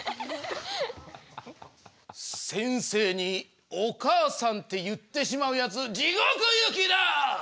先生に「お母さん」って言ってしまうやつじごく行きだ！